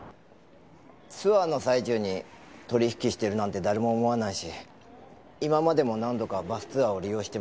ツアーの最中に取引してるなんて誰も思わないし今までも何度かバスツアーを利用してました。